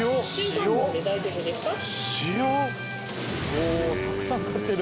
おたくさん買ってる。